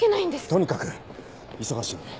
とにかく忙しいんで。